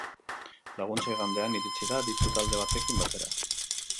Laguntza igandean iritsi da, aditu talde batekin batera.